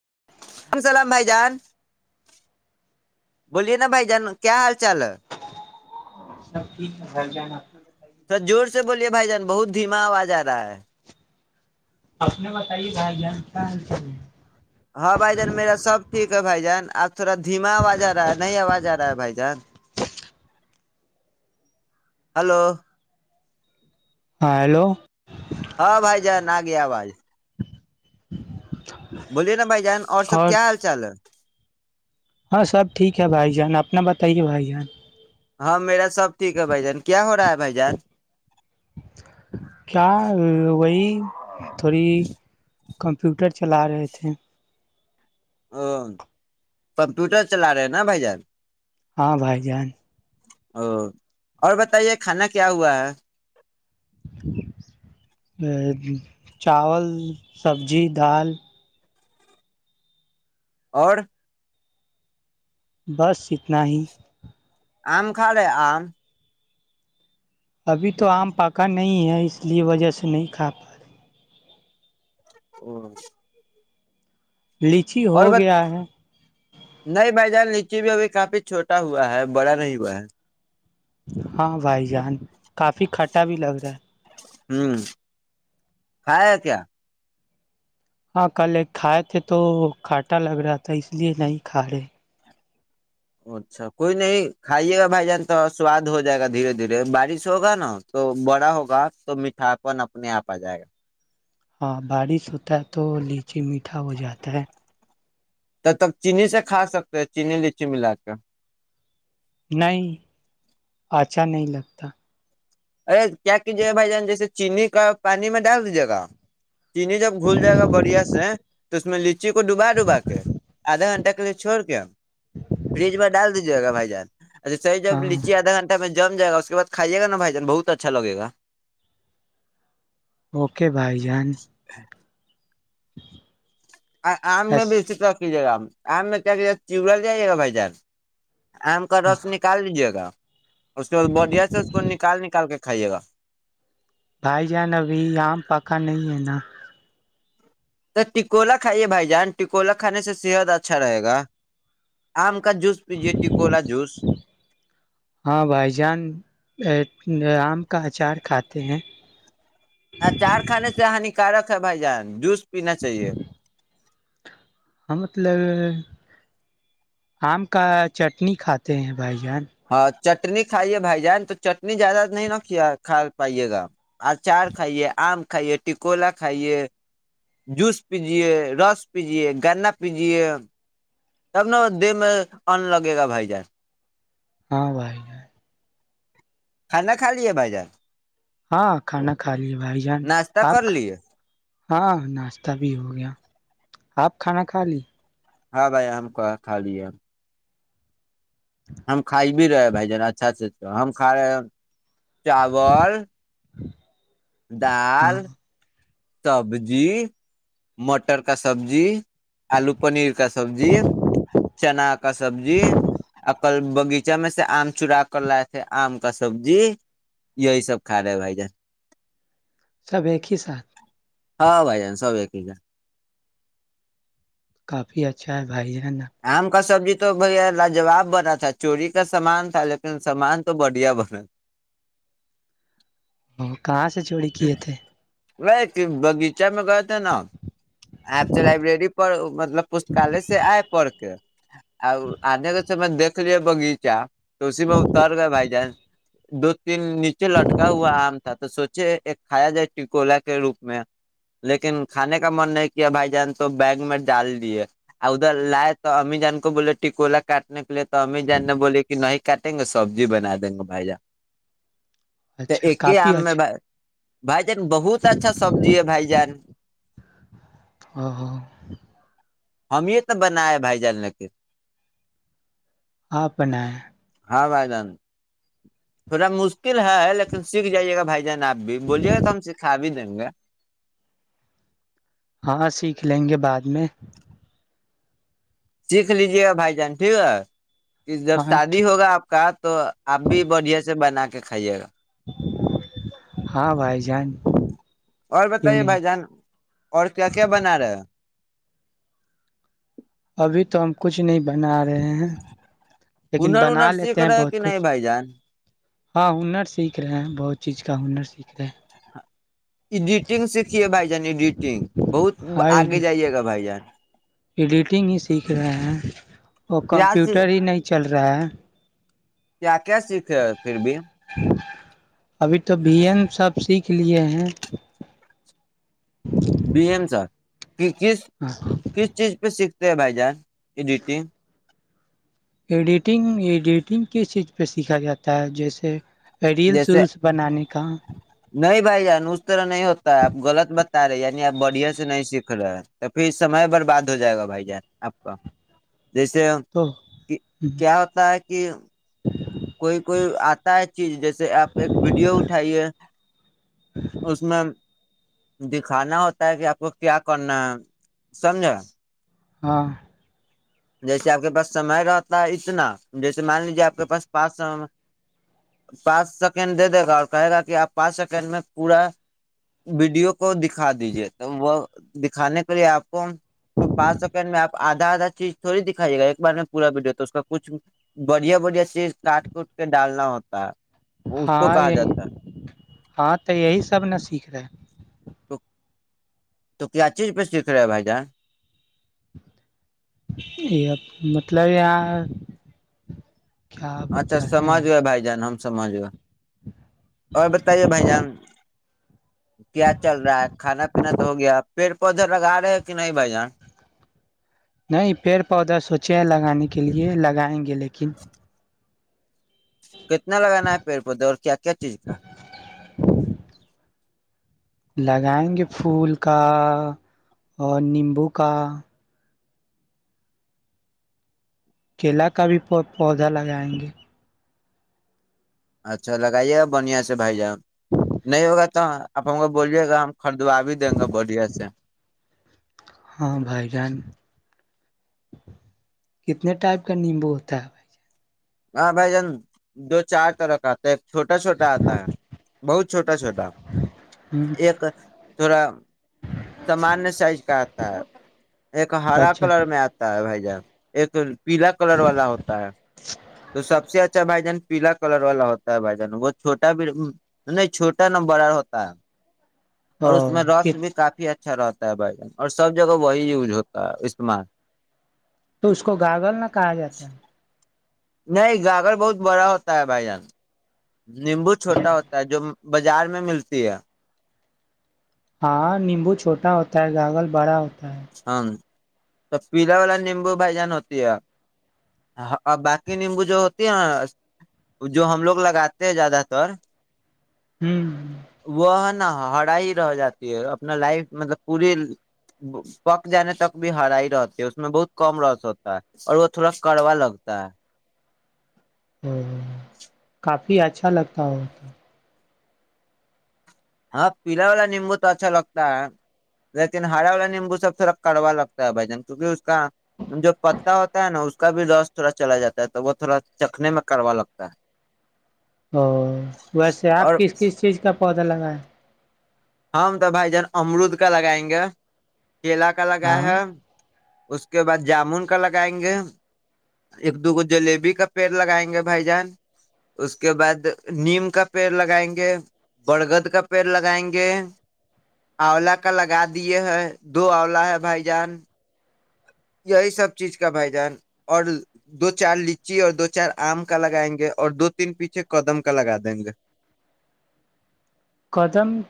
و علیکم السلام بھائی جان بولیے نا بھائی جان کیا حال چال ہے سب چیز گھر جانا تھوڑا زور سے بولیے بھائی جان بہت دھیما آواز آ رہا ہے آپ نے بتائی بھائی جان کیا چل رہا ہے ہاں بھائی جان میرا سب ٹھیک بھائی جان آب تھوڑا دھیما آواز آ رہا ہے نئی آواز آ رہا ہے بھائی جان ہلو ہاں ہیلو ہاں بھائی جان آگیا آواز بولیے نا بائی اور سب کیا حال چال ہے ہاں سب ٹھیک ہے بھائی جان اپنا بتائیے بھائی جان ہاں میرا سب ٹھیک ہے بھائی جان کیا ہو رہا ہے بھائی جان کیا وہی تھوڑی کمپیوٹر چلا رہے تھے ا کمپیوٹر چلا رہے ہیں نا بھائی جان ہاں بھائی جان او اور بتائیے کھانا کیا ہوا ہے چاول سبزی دال اور بس اتنا ہی آم کھالے آم ابھی تو آم پاکا نہیں نہیں ہے اس لیے وجہ سے نہیں کھا پا ہ لیچی ہو گیا ہے نہیں بھائی جان نیچے بھی ابھی کافی چھوٹا ہوا ہے بڑا نہیں ہوا ہے ہاں بھائی جان کافی کھٹا بھی لگ رہا ہے ہوں کھائے کیا ہاں کل ایک کھائے تھے تو کھانٹا لگ رہا تھا اس لیے نہیں کھا رہے اچھا کوئی نہیں کھائیے گا بھائی جان تھوڑا سواد ہو جائے گا دھیرے دھیرے بارش ہوگا نا تو بڑا ہوگا تو میٹھاپن اپنے آپ آ جائے گا ہاں بارش ہوتا ہے تو لیچی میٹھا ہو جاتا ہے تب تک چینی سے کھا سکتے ہیں چینی لچی ملا کے نہیں اچھا نہیں لگتا ارے کیا کیجیے گا بھائی جان جیسے چینی کا پانی میں ڈال دیجیے گا چینی جب گھل جائے گا بڑھیا سے تو اس میں لچی کو ڈوبا ڈوبا کے آدھا گنٹہ کا ے چھوڑ کے فریج میں ڈال دیجیے گا بھائی جان اچھا سی جب ہاں لییچی آدا گھٹہ میں جائے گا کے بع کائیے گا بھائی بہت اچھا لگے گا اوکے بھائی جان آم میں بیسی تور کی جائے گا آم آام میں کیا کہ چڑا جائیے گا بھائی جان آم کا ہاں رس نکال لیجے گا اس کے بڈیا سے اس کو نکال نکال کے کھائیے گا بھائی جان ابھی آم پکا نہیں ہے نا تو ٹکولا کھائیے بھائی جان ٹکولا کھانے سے صحت اچھا رہے گا آم کا جوس پیجیے یکوا جوس ہاں بھائی جان آم کا اچار کھاتے ہیں ہ چار کھانے سے ہانیکارک ہے بھائی جان جوس پینا چاہیے ہم مطلب آم کا چٹنی کھاتے ہیں بائی جان ہاں چٹنی کھائیے بھائی جان تو چٹنی زیادہ نہیں ن ک کھا پائیے گا اچار کھائیے آم کھائیے ٹکولا کھائیے جوس پیجے رس پیجے گنا پیجے تب ن دہ میں ان لگے گا بھائی جان ہاں بھائیائے کھانا خالی ہے بائی جا ہاں کھانا کھا لیے بھائی جان ناشتہ آپ کر لیے ہاں ناشتہ بھی ہو گیا آپ کھانا کھا لی ہاں بھائی ہم خاالی ہے ہم ہم کھائی بھی رہے بھائی جان اچھا اچھا ا ہم کھا رہے ہیں چاول دال ہاں سبزی مٹر کا سبزی آلو پنیر کا سبزی چنا کا سبزی اور کل بغیچہ میں سے آم چڑا کر رہے تھے آم کا سبزی یہی سب کھا رہے بھائی جان سب ایک ہی ساتھ ہاں بھائی جان سب ایک ہی گ کافی اچھا ہے بھائی ہے آم کا سبزی تو [unintelligible] تو بھیا لاجواب بنا تھا چوری کا سامان تھا لیکن سامان تو بڑھیا بنا ہم کاش سے چوری کیے تھے نہیں بگیچے میں گیے تھے نہ اپ سے لائبریری پر مطلب پستکالے سے آے پڑ کے اور آنے ک میں دیکھ لیا باغیچہ تو اسی میں اتر گئے بھائی جان دو تین نیچے لٹکا ہوا آم تھا تو سوچے ایک کھایا جائے چٹکولا کے روپ میں لیکن کھانے کا من نہیں کیا بھائی جان تو بیگ میں ڈال دیے اور ادھر لائے تو امی جان کو بولے ٹکولا کاٹنے کے لیے تو امی جان نے بولے کہ نہیں کاٹیں گے سبزی بنا دیں گے بھائی جان تو اچھا ایک ہی کافی آم میں اچھا بھائی بھائی بہت اچھا سبزی ہے بھائی جان [inaudible] ہم یہ تو بنا ہے بھائی جان لے کے آپ بنایا ہاں بھائی جان تھوڑا مشکل ہے لیکن سیکھ جائیے گا بھائی جان آپ بھی بولیے گا تو ہم سکھا بھی دیں گے ہاں سیکھ لیں گے بعد میں سیکھ لیجیے گا بھائی جان ٹھیک ہے جب ہاں شادی ٹھیک ہوگا آپ کا تو آپ بھی بڑھیا سے بنا کے کھائیے گا ہاں بھائی جان اور کیوں بتائیے نہیں بھائی جان اور کیا کیا بنا رہے ابھی تو ہم کچھ نہیں بنا رہے ہیں لیکن ہونر بنا وونر لیتے سیکھ ہیں رہے کہ بہت نہیں کچھ بھائی جان ہاں ہونر سیکھ رہے ہیں بہت چیز کا ہونر سیکھ رہے ہیں ایڈیٹنگ سیکھیے بھائی جان ایڈٹنگ بہت ہاں آگے جائیے گا بھائی جان ایڈیٹنگ ہی سیکھ رہے ہیں کلاسز رہا‌ ہے [inaudible] پھر بھی ابھی تو بھیی ہم سب سیکھ لیے ہیں بی ایم سے کس چیز ہاں کس چیز پہ سیکھ ہے بھائی جان [unintelligible] ایڈیٹنگ ایڈیٹنگ کس چیز پہ سیکھا جاتا ہے جیسے ریلس ولس بنانے کا بائی جان طرح نہیں ہوتا ہے آپ غلط مت رہ یعنی آپ بڑھیا سے نہیں سیکھ رہے تو پھر سمے برباد ہو جائے گا بھائی جان آپ کا جیسے تو کہ کیا ہوتا ہے کہ کوئی کوئی آتا ہے چیز جیسے آپ ایک ویڈیو اٹھائیے اس میں دکھانا ہوتا ہے کہ آپ کو کیا کرنا ہے سمجھا ہاں جیسے آپ کے پاس سمے رہتا ہے اتنا جیسے مان لیجیے آپ کے پاس پانچ س پانچ سیکنڈ دے دے گا اور کہے گا کہ آپ پانچ سیکنڈ میں پورا ویڈیو کو دکھا دیجیے تو وہ دکھانے کے لیے آپ کو پانچ سیکنڈ میں آپ آدھا آدھا چیز تھوڑی دکھائیے گا ایک بار میں پورا ویڈیو تو اس کا کچھ بڑھیا بڑھیا چیز کاٹ کوٹ کے ڈالنا ہوتا ہے اس کو ہاں کہا یہی جاتا ہے ہاں تو یہی سب ن سیکھ رہے [unintelligible] تو کیا چیز پہ سیکھ رہے ہے بھائی جان یہب مطلب یہاں کیا اچھا بتا سمجھ ہو ہے بھائی جان ہم سمجھ گا اور بتائیے بھائی جان کیا چل رہا ہے کھانا پینا ہو گیا پیڑ پودے لگا رہے ہیں کہ نہیں بھائی جان نہیں پیڑ پودا سوچے ہیں لگانے کے لیے لگائیں گے کے لیکن کتنا لگانا ہے پیڑ پودوں اور کیا کیا چیز کا لگائیں گے پھول کا اور نیمبو کا کیلا کا بھی پ پودا لگائیں گے اچھا لگائیے گا بڑھیا سے بھائی جان نہیں ہوگا تو آپ ہم کو بولیے گا ہم خریدوا بھی دیں گے بڑھیا سے ہاں بھائی جان کتنے ٹائپ کا نیمبو ہوتا ہے بھائی جان ہاں بھائی جان دو چار طرح کا تھا ایک چھوٹا چھوٹا آتا ہے بہت چھوٹا چھوٹا بھائی ایک تھوڑا سامانیہ سائز کا آتا ہے ایک ہ ہرا اچھا کلر میں آتا ہے بھائی جان ایک پیلا کلر والا ہوتا ہے تو سب سے اچھا اچھا بھائی جان پیلا کلر والا ہوتا ہے بھائی جان وہ چھوٹا بھی نہیں چھوٹا نہ بڑا ہوتا ہے اور اس میں رس بھی کافی اچھا رہتا ہے بھائی جان اور سب جگہ وہی یوز ہوتا ہے استعمال تو اس کو گاگل نہ کہا جاتا ہے نہیں گاگرگر بہت بڑا ہوتا ہے بھائی جان نیمبو چھوٹا ہوتا ہے جو بازار میں ملتی ہے ہاں نیمبو چھوٹا ہوتا ہے گاگل بڑا ہوتا ہے ہاں تو پیلا والا نیمبو بھائی جان ہوتی ہے باقی نیمبو جو ہوتی ہے جو ہم لوگ لگاتے ہیں زیادہ تر ہوں نہ ہرا ہی رہ جاتی ہے اپنا لائف مطلب پوری پک جانے تک بھی ہرائی رہتی ہے اس میں بہت کم رس ہوتا ہے اور وہ تھوڑا کڑوا لگتا ہے ہ ہ کافی اچھا لگتا ہ م ہاں پیلا والا نیمبو تو اچھا لگتا ہے لیکن ہرا والا نیمبو سب تھوڑا کڑوا لگتا ہے بھائی جان کیونکہ اس پتا ہوتا ہے نا اس کا بھی رس تھوڑا چلا جاتا ہے تو وہ تھوڑا چکھنے میں کڑوا لگتا ہے ا ویسے اور آپ کس کس چیز کا بودل گ ہم تو بھائی جان امرود کا لگائیں گے کیلا کا لگا ہاں ہے اس کے بعد جامن کا لگائیں گے ایک دوگو جلیبی کا پیڑ لگائیں گے بھائی جان اس کے بعد نیم کا پیڑ لگائیں گے برگد کا پیڑ لگائیں گے آولا کا لگا دیے ہیں دو آلا ہے بھائی جان یہی سب چیز کا بھائی جان اور دو چار لچی اور دو چار آم کا لگائیں گے اور دو تین پیچھے قدم کا لگا دیں گے قدم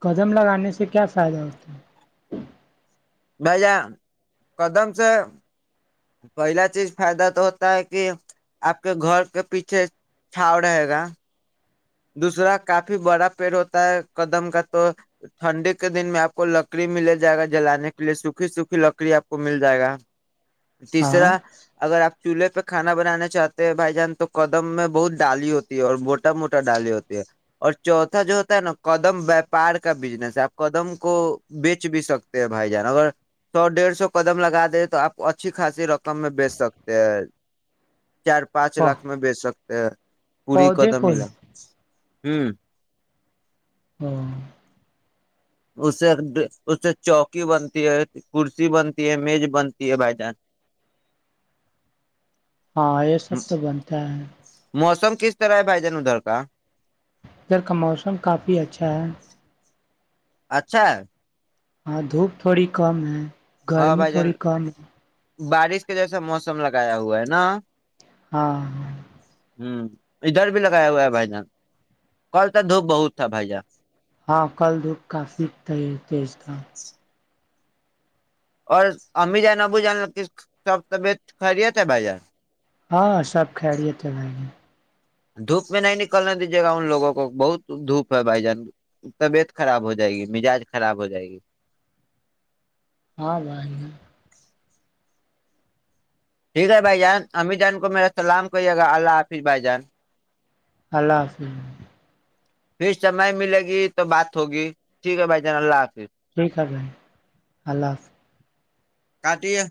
قدم لگانے سے کیا فائدہ ہوتا ہے ب جان قدم سے پہلا چیز فائدہ تو ہوتا ہے کہ آپ کے گھر کے پیچھے چھاؤ رہے گا دوسرا کافی بڑا پیڑ ہوتا ہے قدم کا تو ٹھنڈی کے دن میں آپ کو لکڑی مل جائے گا جلانے کے لیے سوکھی سوکھی لکڑی آپ کو مل جائے گا ہاں تیسرا اگر آپ چولہے پہ کھانا بنانا چاہتے ہیں بھائی جان تو قدم میں بہت ڈالی ہوتی ہے اور موٹا موٹا ڈالی ہوتی ہے اور چوتھا جو ہوتا ہے نا قدم وپار کا بزنس ہے آپ قدم کو بیچ بھی سکتے ہیں بھائی جان اگر سو ڈیڑھ سو قدم لگا دے تو آپ اچھی خاصی رقم میں بیچ سکتے ہیں چار پانچ لاکھ میں بیےچ سکتے کہ پوری پودے کوت کو ہی ملا ہوں ہاں اس سے اس سے چوکی بنتی ہے کرسی بنتی ہے میز بنتی ہے بھائی جان ہاں یہ سب تو بنتا ہے موسم کس طرح ہے بائی جان ن دڑکا ادھر کا موسم کافی اچھا ہے اچھا ہاں دھوپ تھوڑی کم ہے ہاں گرمی بھائی جان تھوڑی کم ہے بارش کا جیسا موسم لگایا ہوا ہے نا ہاں ہاں ہوں ادھر بھی لگایا ہوا ہے بھائی جان کل ت دھوپ بہت تھا بھائی جان ہاں کل دکھ کافی ت تیز تھا اور امی جان ابو جان سب طبیعت خیریت ہے بھائی جان ہاں سب خیرییت ل گی دھوپ میں نہیں نکلنا دیجیے گا ان لوگوں کو بہت دھوپ ہے بھائی جان طبیعت خراب ہو جائے گی مزاج خراب ہو جائے گی ہاں باہ ٹھیک ہے بھائی جان امی جان کو میرا سلام کریے گا اللہ حافظ بھائی جان اللہ حافظ پھر سمے ملے گی تو بات ہوگی ٹھیک ہے بھائی جان اللہ حافظ ٹیک بھائی اللہ حافظ کاٹی ہے